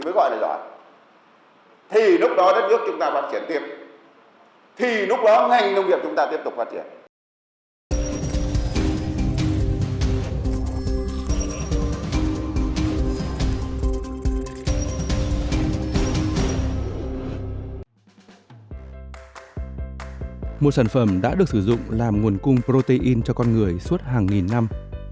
một sản phẩm đã được sử dụng làm nguồn cung protein cho con người suốt hàng nghìn năm